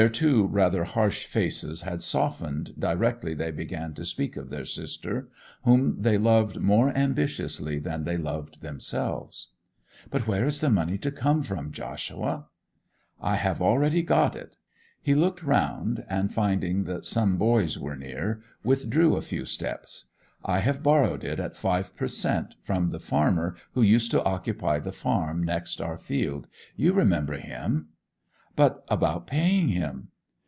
Their two rather harsh faces had softened directly they began to speak of their sister, whom they loved more ambitiously than they loved themselves. 'But where is the money to come from, Joshua?' 'I have already got it.' He looked round, and finding that some boys were near withdrew a few steps. 'I have borrowed it at five per cent. from the farmer who used to occupy the farm next our field. You remember him.' 'But about paying him?